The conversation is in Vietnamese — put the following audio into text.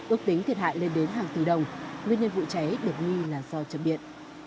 ước tính thiệt hại lên đến hàng tỷ đồng nguyên nhân vụ cháy được nghi là do chấm biện